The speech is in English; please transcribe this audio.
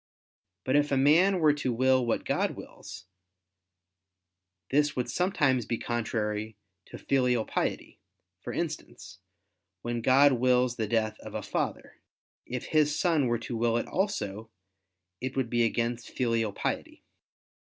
But if man were to will what God wills, this would sometimes be contrary to filial piety: for instance, when God wills the death of a father: if his son were to will it also, it would be against filial piety.